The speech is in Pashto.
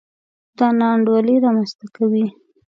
دا نا انډولي رامنځته کوي.